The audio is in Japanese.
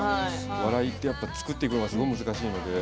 笑いって作っていくのがすごい難しいので。